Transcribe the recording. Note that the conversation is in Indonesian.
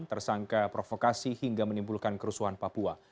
tersangka provokasi hingga menimbulkan kerusuhan papua